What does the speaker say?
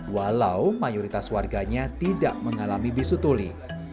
walau mayoritas warganya tidak mengalami bisu tuli